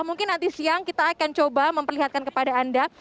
mungkin nanti siang kita akan coba memperlihatkan kepada anda